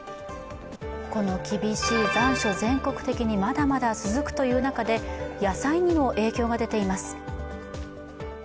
この厳しい残暑、全国的にまだまだ続くという中で野菜にも影響が出ています。